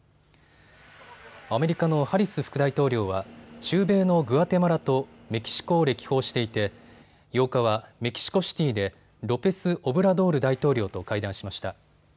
アメリカのハリス副大統領は中米のグアテマラとメキシコを歴訪していて８日はメキシコシティーでロペスオブラドール大統領と会談しました。